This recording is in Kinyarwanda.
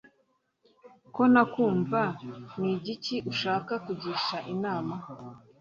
ko ntakumva nigiki ushaka kugisha inama?"